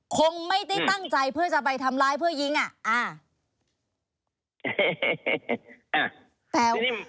คงไม่ได้ตั้งใจเพื่อจะไปทำร้ายเพื่อยิงอ่ะ